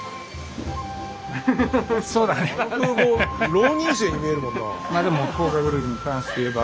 浪人生に見えるもんな。